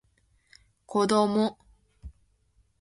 こども